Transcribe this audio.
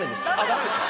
ダメですか？